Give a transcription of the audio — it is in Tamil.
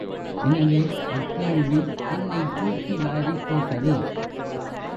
எனவே அக் கேள்வி என்னைத் தூக்கி வாரிப் போட்டது.